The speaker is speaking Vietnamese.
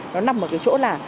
nó nằm ở cái chỗ là